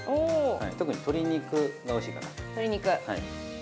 特に鶏肉がおいしいかな。